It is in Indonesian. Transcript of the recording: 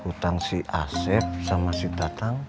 utang si asep sama si datang